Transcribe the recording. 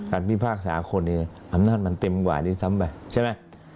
พิพากษาคนนี้อำนาจมันเต็มกว่านี้ซ้ำไปใช่ไหม